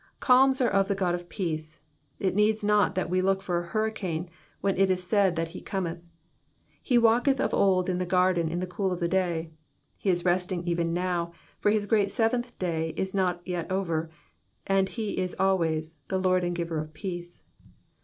Calms are of the God of peace ; it needs not that we look for a hurricane when it is said that he cometh. He walked of old in the garden in the cool of the day ; he is resting even now, for his great seventh day is not yet over, and he is always the Lord and giver of peace.